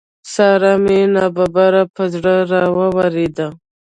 سارا مې ناببره پر زړه را واورېده.